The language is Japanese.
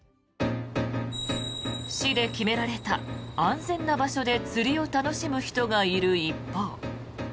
市で決められた安全な場所で釣りを楽しむ人がいる一方。